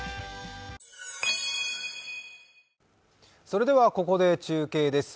それではここで中継です。